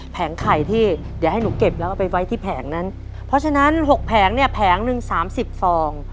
ไข่ที่เดี๋ยวให้หนูเก็บแล้วก็ไปไว้ที่แผงนั้นเพราะฉะนั้นหกแผงเนี่ยแผงหนึ่งสามสิบฟอง